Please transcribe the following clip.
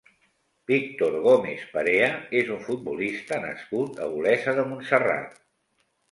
Víctor Gómez Perea és un futbolista nascut a Olesa de Montserrat.